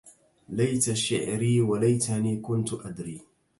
ليت شعري وليتني كنت أدري